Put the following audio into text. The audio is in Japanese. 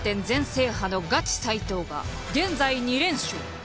全制覇のガチ齋藤が現在２連勝。